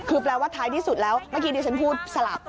คือแปลว่าท้ายที่สุดแล้วเมื่อกี้ดิฉันพูดสลับ